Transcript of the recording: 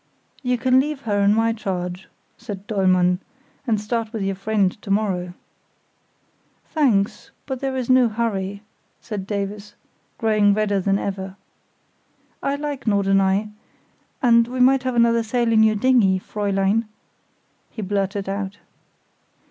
"You can leave her in my charge," said Dollmann, "and start with your friend to morrow." "Thanks; but there is no hurry," said Davies, growing redder than ever. "I like Norderney—and we might have another sail in your dinghy, Fräulein," he blurted out.